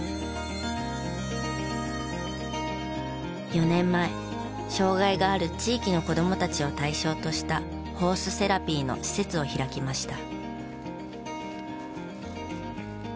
４年前障害がある地域の子どもたちを対象としたホースセラピーの施設を開きました。